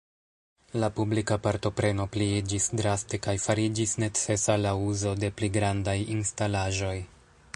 La publika partopreno pliiĝis draste kaj fariĝis necesa la uzo de pli grandaj instalaĵoj.